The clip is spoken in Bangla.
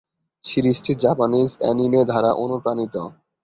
সিরিজটি জাপানিজ অ্যানিমে দ্বারা অনুপ্রাণিত।